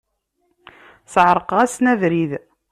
Sεerqeɣ-asen abrid.